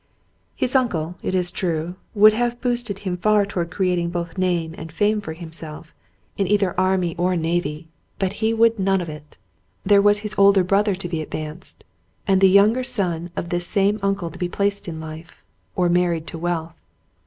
His uncle, it is true, would have boosted him far toward creating both name and fame for himself, in either army David Thryng Arrives 9 or navy, but lie would none of it. There was his older brother to be advanced, and the younger son of this same uncle to be placed in life, or married to wealth.